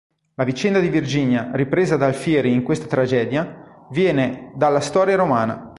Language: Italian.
La vicenda di Virginia, ripresa da Alfieri in questa tragedia, viene dalla storia romana.